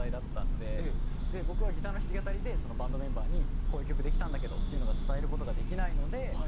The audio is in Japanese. で僕はギターの弾き語りでそのバンドメンバーにこういう曲できたんだけどっていうのが伝える事ができないのでパソコンで打ち込んで。